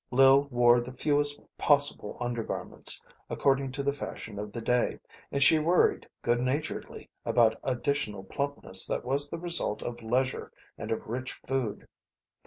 Lil wore the fewest possible undergarments, according to the fashion of the day, and she worried, good naturedly, about additional plumpness that was the result of leisure and of rich food.